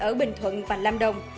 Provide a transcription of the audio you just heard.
ở bình thuận và lâm đồng